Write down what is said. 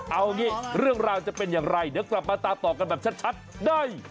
เอางี้เรื่องราวจะเป็นอย่างไรเดี๋ยวกลับมาตามต่อกันแบบชัดได้